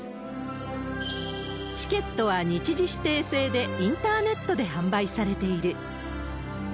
チケットは日時指定制で、インターネットで販売されている。